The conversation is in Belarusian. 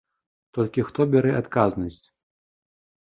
Толькі хто бярэ адказнасць.